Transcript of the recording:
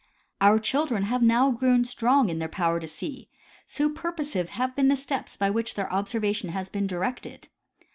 Our children have now grown strong in their power to see, so purposive have been the steps by which their observation has been directed.